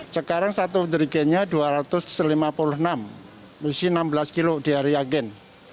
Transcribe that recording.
sekarang satu jari gennya rp dua ratus lima puluh enam isi enam belas kilo di area gen